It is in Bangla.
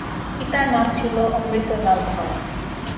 পিতার নাম ছিল অমৃতলাল ধর।